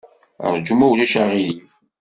Ṛju, ma ulac aɣilif.